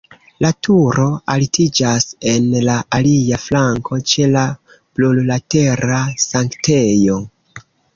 La turo altiĝas en la alia flanko ĉe la plurlatera sanktejo.